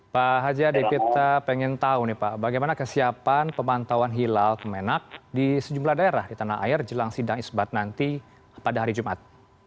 pak haji adib kita ingin tahu bagaimana kesiapan pemantauan hilal kemenak di sejumlah daerah di tanah air jelang sidang isbat nanti pada hari jumat